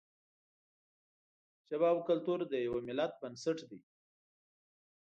ژبه او کلتور د یوه ملت بنسټ دی.